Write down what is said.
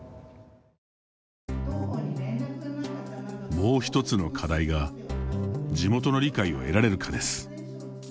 もう一つの課題が「地元の理解」を得られるかです。